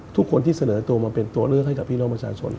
ทุกคนที่เสนอตัวมาเป็นตัวเลือกให้กับพี่น้องประชาชน